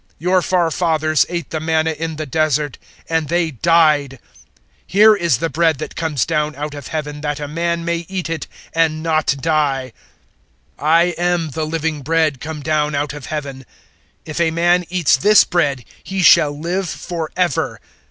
006:049 Your forefathers ate the manna in the Desert, and they died. 006:050 Here is the bread that comes down out of Heaven that a man may eat it and not die. 006:051 I am the living bread come down out of Heaven. If a man eats this bread, he shall live for ever.